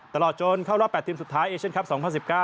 ตลอดจนเข้ารอบ๘ทีมสุดท้ายเอเชียนคลับ๒๐๑๙